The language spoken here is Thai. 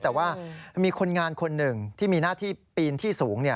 แต่ว่ามีคนงานคนหนึ่งที่มีหน้าที่ปีนที่สูง